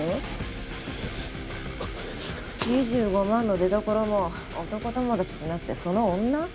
２５万の出どころも男友達じゃなくてその女？